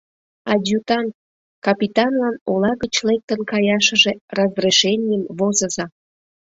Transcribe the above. Адъютант, капитанлан ола гыч лектын каяшыже разрешенийым возыза.